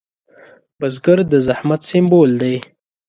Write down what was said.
بزګر د زحمت سمبول دی